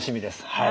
はい。